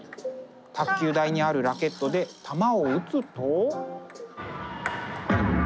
卓球台にあるラケットで球を打つと。